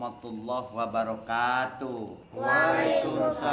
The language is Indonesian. ya allah kemana tuh orangnya